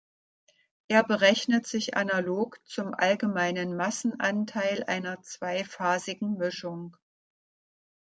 Er berechnet sich analog zum allgemeinen Massenanteil einer zweiphasigen Mischung.